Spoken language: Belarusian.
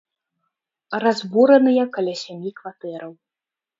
Разбураныя каля сямі кватэраў.